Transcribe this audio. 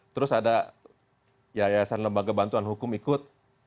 terus ada yayasan lembaga bantuan hukum ikut